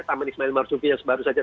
taman ismail marzuki yang baru saja